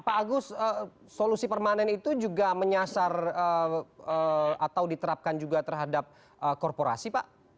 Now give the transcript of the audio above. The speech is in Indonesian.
pak agus solusi permanen itu juga menyasar atau diterapkan juga terhadap korporasi pak